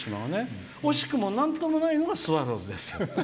惜しくもなんともないのがスワローズですよ。